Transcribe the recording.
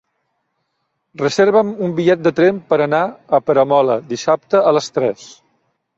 Reserva'm un bitllet de tren per anar a Peramola dissabte a les tres.